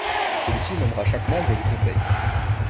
Celui-ci nommera chaque membre du Conseil.